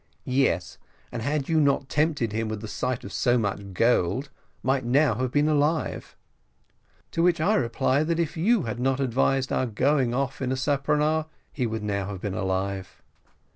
"Yes, and had you not tempted him with the sight of so much gold, might now have been alive." "To which I reply, that if you had not advised our going off in a speronare, he would now have been alive."